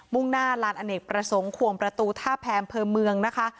่งหน้าลานอเนกประสงค์ควงประตูท่าแพมเภอเมืองนะคะ